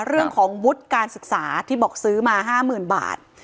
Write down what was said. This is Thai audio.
เรื่องของวุฒิการศึกษาที่บอกซื้อมา๕๐๐๐๐บาท